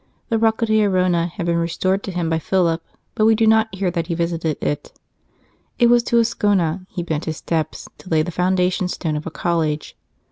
The Rocca d Arona had been restored to him by Philip, but we do not hear that he visited it. It was to Ascona he bent his steps, to lay the foundation stone of a college.